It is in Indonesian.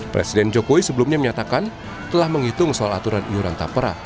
presiden jokowi sebelumnya menyatakan telah menghitung soal aturan iuran tapera